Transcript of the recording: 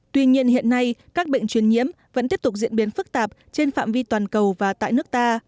tuy nhiên hiện nay các bệnh truyền nhiễm vẫn tiếp tục diễn biến phức tạp trên phạm vi toàn cầu và tại nước ta